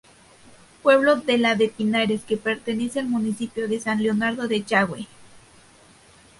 Pueblo de la de Pinares que pertenece al municipio de San Leonardo de Yagüe.